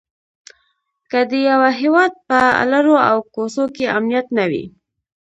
که د یوه هيواد په الرو او کوڅو کې امنيت نه وي؛